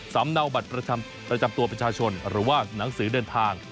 เนาบัตรประจำตัวประชาชนหรือว่าหนังสือเดินทาง